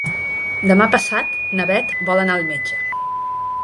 Demà passat na Bet vol anar al metge.